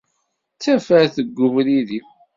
D tafat deg ubrid-iw.